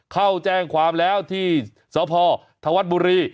เข้าแจ้งความแล้วที่สพธวัฒน์บุรี